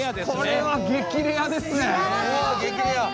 これは激レアですね！